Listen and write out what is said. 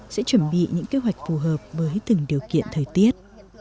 sẽ chuẩn bị những kế hoạch phù hợp với từng điều kiện thời tiết